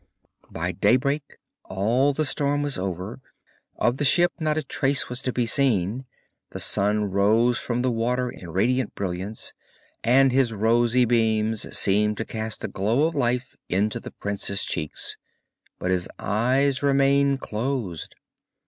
By daybreak all the storm was over, of the ship not a trace was to be seen; the sun rose from the water in radiant brilliance, and his rosy beams seemed to cast a glow of life into the prince's cheeks, but his eyes remained closed.